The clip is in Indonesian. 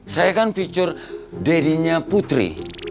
saya kan fitur deddy nya putri